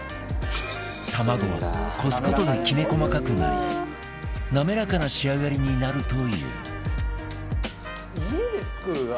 卵はこす事でキメ細かくなり滑らかな仕上がりになるという